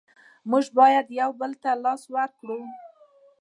موږ باید یو بل ته لاس ورکړو.